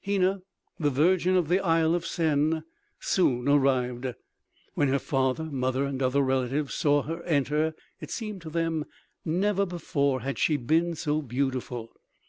Hena, the virgin of the Isle of Sen, soon arrived. When her father, mother and other relatives saw her enter it seemed to them never before had she been so beautiful.